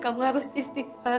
kamu harus istighfar